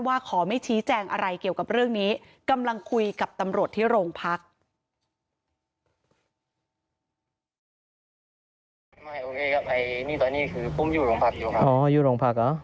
ขอไม่ชี้แจงอะไรเกี่ยวกับเรื่องนี้กำลังคุยกับตำรวจที่โรงพัก